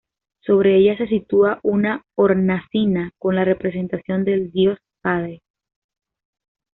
Sobre ella se sitúa una hornacina con la representación del Dios Padre.